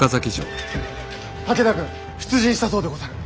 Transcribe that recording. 武田軍出陣したそうでござる。